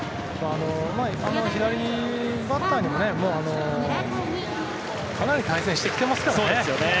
左バッターともかなり対戦してきてますからね。